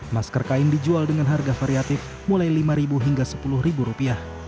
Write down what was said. masker kain dijual dengan harga variatif mulai lima hingga sepuluh rupiah